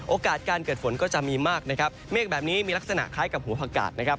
โอกาสการเกิดฝนก็จะมีมากนะครับเมฆแบบนี้มีลักษณะคล้ายกับหัวผักกาศนะครับ